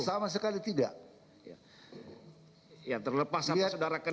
sama sekali tidak